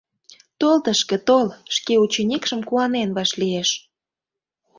Тол тышке, тол, — шке ученикшым куанен вашлиеш.